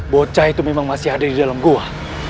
bocah itu memang masih ada di dalam gua